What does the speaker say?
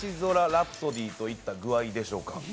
ラプソディといった具合でしょうか。